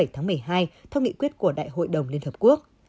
hai mươi bảy tháng một mươi hai theo nghị quyết của đại hội đồng liên hợp quốc